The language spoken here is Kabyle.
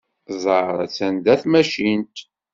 Ẓer! Attan da tmacint!